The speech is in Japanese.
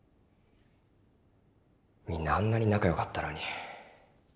みんなあんなに仲よかったのに。